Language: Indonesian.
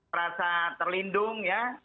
merasa terlindung ya